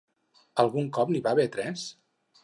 Algun cop n'hi va haver tres?